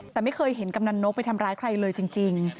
แต่ไม่เคยเห็นกำนันนกไปทำร้ายใครเลยจริง